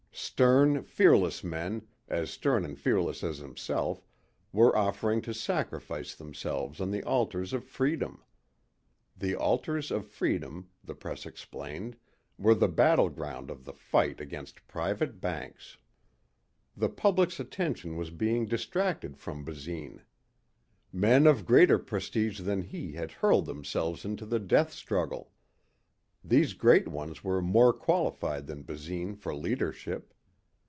Stern, fearless men, as stern and fearless as himself, were offering to sacrifice themselves on the altars of freedom. The altars of freedom, the press explained, were the battleground of the fight against private banks. The public's attention was being distracted from Basine. Men of greater prestige than he had hurled themselves into the death struggle. These great ones were more qualified than Basine for leadership.